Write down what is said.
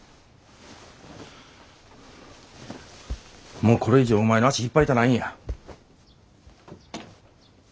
もうこれ以上お前の足引っ張りたないんや。